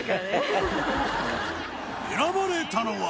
選ばれたのは。